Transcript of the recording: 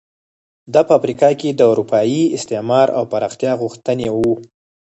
دا په افریقا کې د اروپایي استعمار او پراختیا غوښتنې وو.